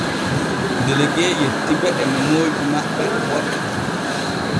Delegue yetti ɓe e nomooji maɓɓe boɗɗi.